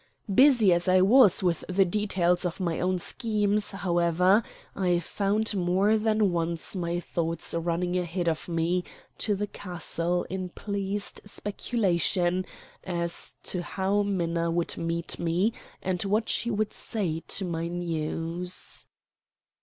Busy as I was with the details of my own schemes, however, I found more than once my thoughts running ahead of me to the castle in pleased speculation as to how Minna would meet me and what she would say to my news.